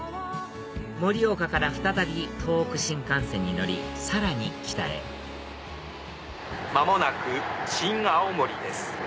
盛岡から再び東北新幹線に乗りさらに北へ間もなく新青森です。